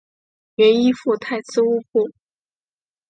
原依附泰赤乌部。